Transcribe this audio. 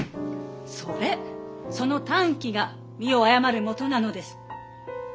それその短気が身を誤るもとなのです。